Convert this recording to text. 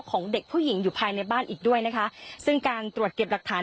ของเด็กผู้หญิงอยู่ภายในบ้านอีกด้วยนะคะซึ่งการตรวจเก็บหลักฐาน